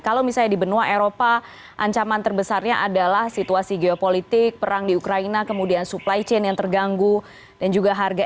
kalau misalnya di benua eropa ancaman terbesarnya adalah situasi geopolitik perang di ukraina kemudian supply chain yang terganggu dan juga harga